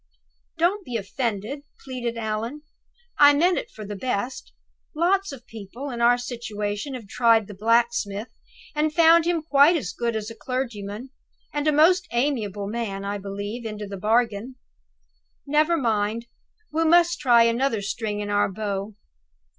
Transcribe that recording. "Don't be offended," pleaded Allan; "I meant it for the best. Lots of people in our situation have tried the blacksmith, and found him quite as good as a clergyman, and a most amiable man, I believe, into the bargain. Never mind! We must try another string to our bow."